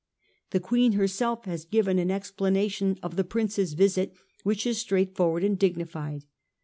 The Queen herself has given an explanation of the Prince's visit which is straight forward and dignified.